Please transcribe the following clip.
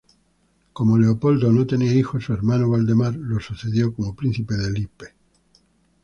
Como Leopoldo no tenía hijos, su hermano Valdemar lo sucedió como príncipe de Lippe.